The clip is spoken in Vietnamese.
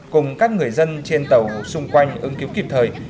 cùng các người dân trên tàu xung quanh ứng cứu kịp thời